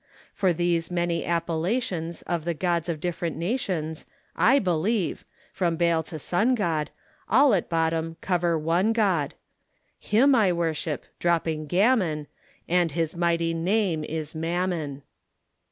For these many appellations Of the gods of different nations, I believe from Baal to Sun god All at bottom cover one god. Him I worship dropping gammon And his mighty name is MAMMON.